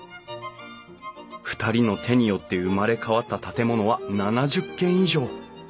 ２人の手によって生まれ変わった建物は７０軒以上。